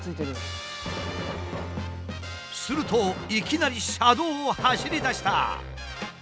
するといきなり車道を走りだした。